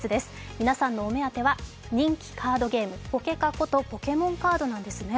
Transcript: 皆さんのお目当ては、人気カードゲーム、ポケカことポケモンカードなんですね。